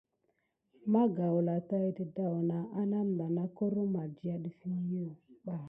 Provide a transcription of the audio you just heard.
Ma gawla tay dədawna anamda na koro makiawi ɗəf i ɓa.